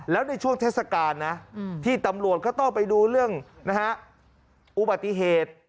แล้วในช่วงเทศกาลนะที่ตำรวจก็ต้องไปดูเรื่องอุบัติเหตุ